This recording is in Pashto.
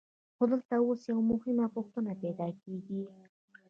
خو دلته اوس یوه مهمه پوښتنه پیدا کېږي